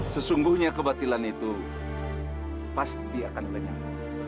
sesungguhnya kebatilan itu pasti akan lenyang